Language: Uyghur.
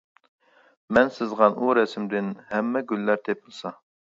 مەن سىزغان ئۇ رەسىمدىن، ھەممە گۈللەر تېپىلسا.